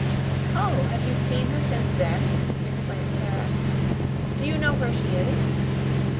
"Oh, have you seen her since then?" exclaimed Sara. "Do you know where she is?"